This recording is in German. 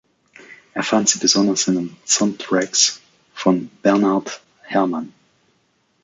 Er fand sie besonders in den Soundtracks von Bernard Herrmann.